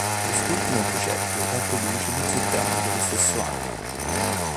Quest'ultimo progetto ebbe luce nel settembre dello stesso anno.